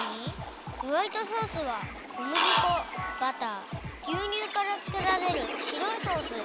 ホワイトソースはこむぎ粉バターぎゅうにゅうからつくられるしろいソース。